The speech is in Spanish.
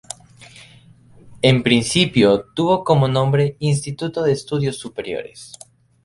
En principio tuvo como nombre "Instituto de Estudios Superiores.